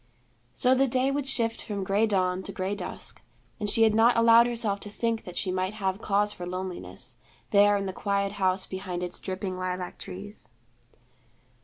So the day would shift from gray dawn to gray dusk; and she had not allowed herself to think that she might have cause for loneliness, there in the quiet house behind its dripping lilac trees.